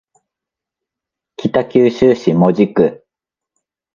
北九州市門司区